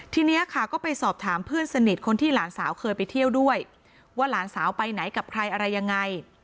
ทีนี้ค่ะก็ไปสอบถามเพื่อนสนิทคนที่หลานสาวเคยไปเที่ยวด้วยว่าหลานสาวไปไหนกับใครอะไรยังไง